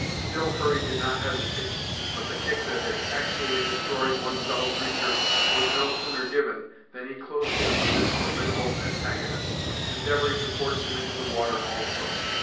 Still Hurry did not hesitate, but the kick that had actually destroyed one fellow creature was no sooner given, than he closed in with this formidable antagonist, endeavoring to force him into the water, also.